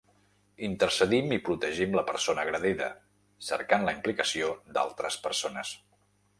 Intercedim i protegim la persona agredida, cercant la implicació d’altres persones.